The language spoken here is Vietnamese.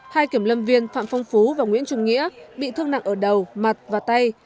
hai kiểm lâm viên phạm phong phú và nguyễn trung nghĩa bị thương nặng ở đầu mặt và tay